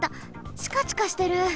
チカチカしてる！